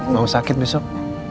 mau sakit besok